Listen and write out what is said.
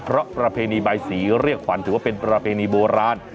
เพราะประเพณีใบสีเรียกขวัญถือว่าเป็นประเพณีโบราณ